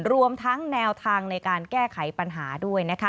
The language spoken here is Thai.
รวมทั้งแนวทางในการแก้ไขปัญหาด้วยนะคะ